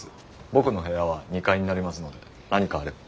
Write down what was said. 僕の部屋は２階になりますので何かあれば。